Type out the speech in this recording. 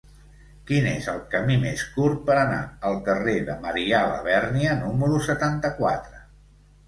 Quin és el camí més curt per anar al carrer de Marià Labèrnia número setanta-quatre?